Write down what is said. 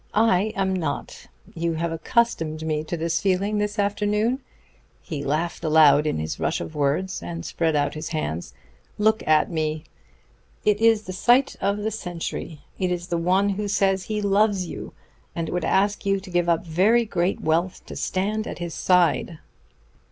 I am not. You have accustomed me to the feeling this afternoon." He laughed aloud in his rush of words, and spread out his hands. "Look at me! It is the sight of the century! It is the one who says he loves you, and would ask you to give up very great wealth to stand at his side."